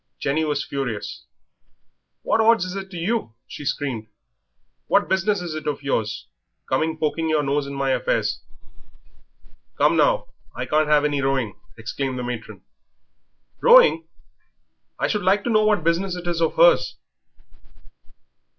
Jenny was furious. "What odds is it to you?" she screamed; "what business is it of yours, coming poking your nose in my affairs?" "Come, now, I can't have any rowing," exclaimed the matron. "Rowing! I should like to know what business it is of 'ers."